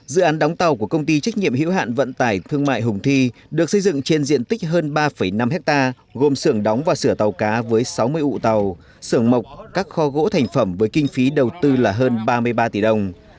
dự án đóng tàu của công ty trách nhiệm hữu hạn vận tải thương mại hùng thi được xây dựng trên diện tích hơn ba năm hectare gồm sưởng đóng và sửa tàu cá với sáu mươi ụ tàu sưởng mộc các kho gỗ thành phẩm với kinh phí đầu tư là hơn ba mươi ba tỷ đồng